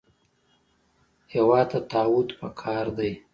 هېواد ته تعهد پکار دی